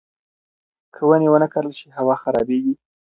که ونې ونه کرل شي، هوا خرابېږي.